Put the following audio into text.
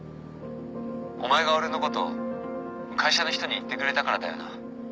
お前が俺のこと会社の人に言ってくれたからだよな？